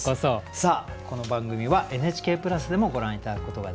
さあこの番組はＮＨＫプラスでもご覧頂くことができます。